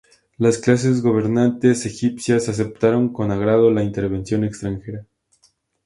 Las clases gobernantes egipcias aceptaron con agrado la intervención extranjera.